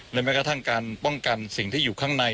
แม้กระทั่งการป้องกันสิ่งที่อยู่ข้างใน